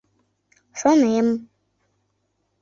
— Шонем!